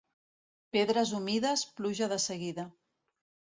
Pedres humides, pluja de seguida.